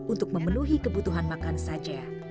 untuk memenuhi kebutuhan makan saja